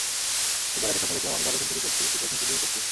একবার রাতে স্বপ্ন দেখলাম, আমি ডাবল সেঞ্চুরি করছি, ট্রিপল সেঞ্চুরি করছি।